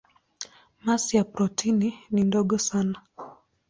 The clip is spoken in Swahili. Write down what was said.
Masi ya protoni ni ndogo sana.